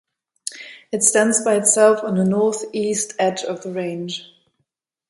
It stands by itself on the northeast edge of the range.